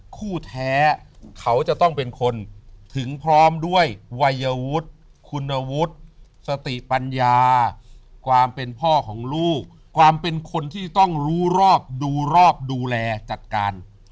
คู่แท้เขาจะต้องเป็นคนถึงพร้อมด้วยวัยวุฒิคุณวุฒิสติปัญญาความเป็นพ่อของลูกความเป็นคนที่ต้องรู้รอบดูรอบดูแลจัดการ